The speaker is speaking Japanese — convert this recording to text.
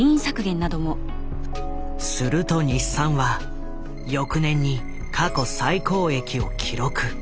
すると日産は翌年に過去最高益を記録。